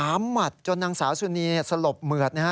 หมัดจนนางสาวสุนีสลบเหมือดนะฮะ